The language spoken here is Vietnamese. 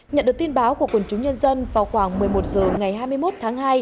nhận được tin báo của quần chúng nhân dân vào khoảng một mươi một h ngày hai mươi một tháng hai